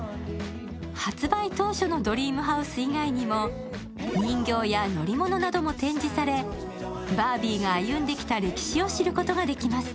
発売当初のドリームハウス以外にも、人形や乗り物なども展示され、バービーが歩んできた歴史を知ることができます。